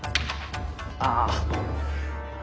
ああ。